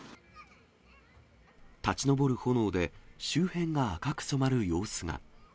立ち上る炎で周辺が赤く染まる様子が。